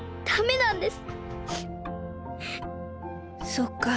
そっか。